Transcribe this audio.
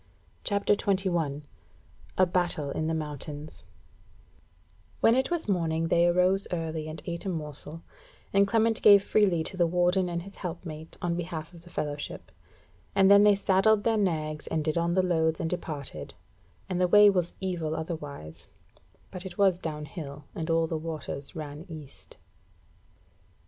CHAPTER 21 A Battle in the Mountains When it was morning they arose early and ate a morsel; and Clement gave freely to the Warden and his helpmate on behalf of the fellowship; and then they saddled their nags, and did on the loads and departed; and the way was evil otherwise, but it was down hill, and all waters ran east.